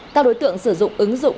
các đối tượng sử dụng ứng dụng